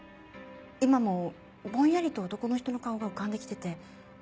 今もぼんやりと男の人の顔が浮かんで来てて。